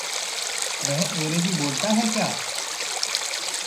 वह अंग्रेज़ी बोलता है क्या?